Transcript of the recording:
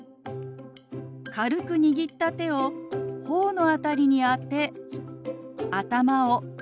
軽く握った手を頬の辺りに当て頭を軽くふります。